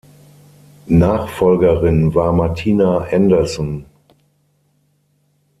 Nachfolgerin war Martina Anderson.